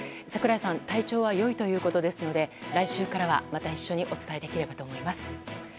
櫻井さん体調は良いということですので来週からはまた一緒にお伝えできればと思います。